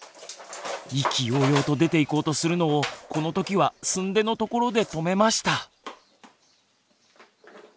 意気揚々と出て行こうとするのをこの時はすんでのところで止めました。